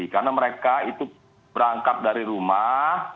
karena mereka itu berangkat dari rumah